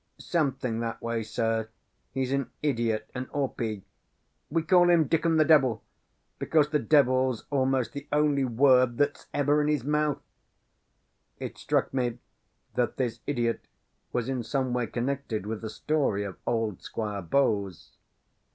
"Something that way, sir; he's an idiot, an awpy; we call him 'Dickon the devil,' because the devil's almost the only word that's ever in his mouth." It struck me that this idiot was in some way connected with the story of old Squire Bowes.